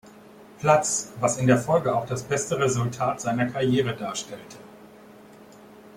Platz, was in der Folge auch das beste Resultat seiner Karriere darstellte.